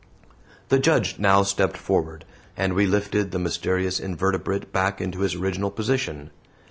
The Judge now stepped forward, and we lifted the mysterious invertebrate back into his original position.